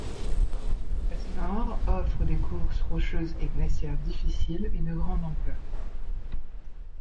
Sa face Nord offre des courses rocheuses et glaciaires difficiles et de grandes ampleurs.